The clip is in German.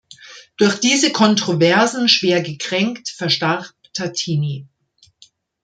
Durch diese Kontroversen schwer gekränkt, verstarb Tartini.